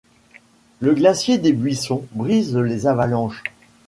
Le glacier des Buissons brise les avalanches ;